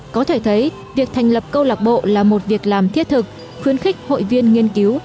có thể thấy việc thành lập câu lạc bộ là một việc làm thiết thực khuyến khích hội viên nghiên cứu